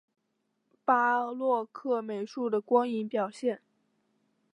巴洛克美术的光影表现